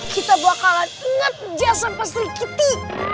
kita bakalan nget jasa pak serigiti